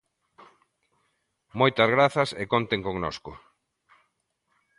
Moitas grazas e conten connosco.